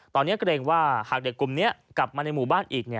ตอนนี้เกรงว่าหากเด็กกลุ่มนี้กลับมาในหมู่บ้านอีก